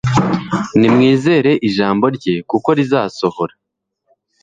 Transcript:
Nimwizere Ijambo rye kuko rizasohora.